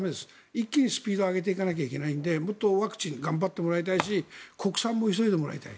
一気にスピードを上げていかないといけないのでもっとワクチン頑張ってもらいたいし国産も急いでもらいたい。